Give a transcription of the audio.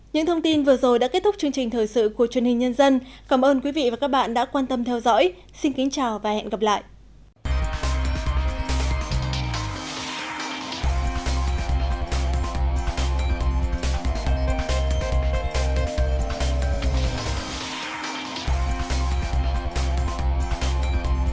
những thông tin vừa rồi đã kết thúc chương trình thời sự của truyền hình nhân dân cảm ơn quý vị và các bạn đã quan tâm theo dõi xin kính chào và hẹn gặp lại